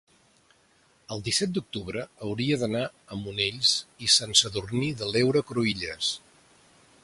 el disset d'octubre hauria d'anar a Monells i Sant Sadurní de l'Heura Cruïlles.